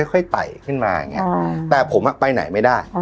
ค่อยไต่ขึ้นมาอย่างเงี้ยอ่าแต่ผมอะไปไหนไม่ได้อ่า